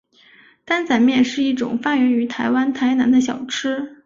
担仔面是一种发源于台湾台南的小吃。